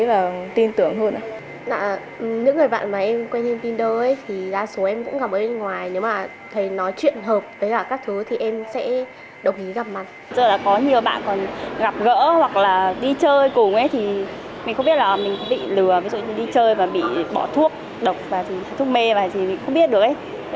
ví dụ như đi chơi và bị bỏ thuốc độc và thuốc mê và thì mình không biết được ấy